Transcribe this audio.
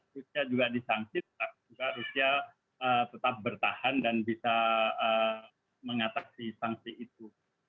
rusia juga disangsi tetap bertahan dan bisa mengatasi sanksi itu